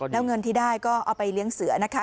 แล้วเงินที่ได้ก็เอาไปเลี้ยงเสือนะคะ